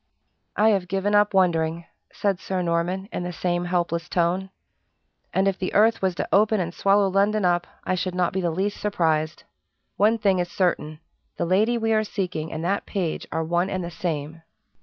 "I have given up wondering," said Sir Norman, in the same helpless tone. "And if the earth was to open and swallow London up, I should not be the least surprised. One thing is certain: the lady we are seeking and that page are one and the same."